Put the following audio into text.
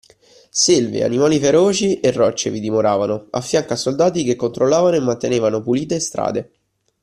Selve, animali feroci e rocce vi dimoravano, affianco a soldati che controllavano e mantenevano pulite strade